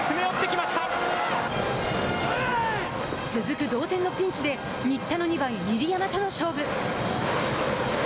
続く同点のピンチで新田の２番、入山との勝負。